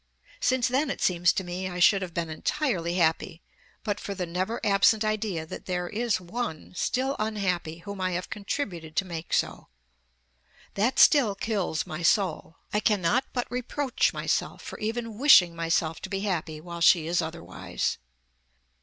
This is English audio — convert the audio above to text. Since then it seems to me I should have been entirely happy, but for the never absent idea that there is one still unhappy whom I have contributed to make so. That still kills my soul. I cannot but reproach myself for even wishing myself to be happy while she is otherwise."